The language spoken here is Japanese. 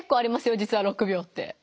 じつは６秒って。